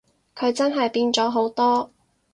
佢真係變咗好多